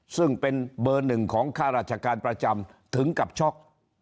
ซึ่งเป็นเบอร์หนึ่งของข้าราชการประจำถึงกับช็อก